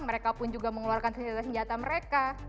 mereka pun juga mengeluarkan senjata senjata mereka